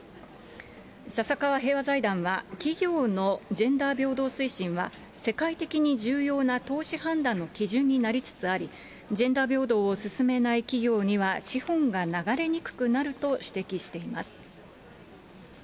笹川平和財団は、企業のジェンダー平等推進は、世界的に重要な投資判断の基準になりつつあり、ジェンダー平等を進めない企業には、資本が流れにくくなると指摘しています。